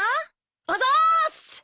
あざーす！